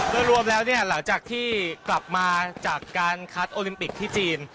โดยรวมแล้วเนี่ยหลังจากที่กลับมาจากการคัดโอลิมปิกที่จีน